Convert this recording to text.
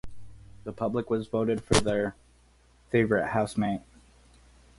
The public was voted for their favourite housemate.